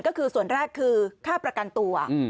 ก็คือส่วนแรกคือค่าประกันตัว